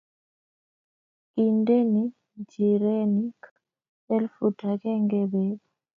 Kindeni nchirenik elfut agenge beek.